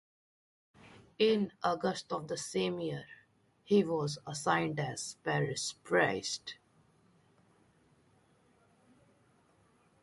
In August of the same year he was assigned as parish priest.